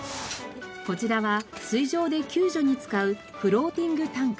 こちらは水上で救助に使うフローティング担架。